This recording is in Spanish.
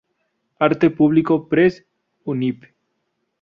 Arte Público Press, Univ.